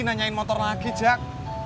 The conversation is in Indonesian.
nanyain motor lagi jak